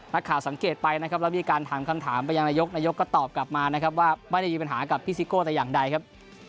นักข่าวสังเกตไปนะครับแล้วมีการถามคำถามไปยังนายกนายกก็ตอบกลับมานะครับว่าไม่ได้มีปัญหากับพี่ซิโก้แต่อย่างใดครับ